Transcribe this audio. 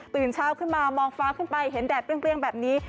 เช้าขึ้นมามองฟ้าขึ้นไปเห็นแดดเปรี้ยงแบบนี้